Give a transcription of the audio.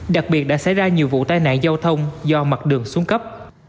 đặc biệt đã xảy ra nhiều vụ tai nạn giao thông do mặt đường xuống cấp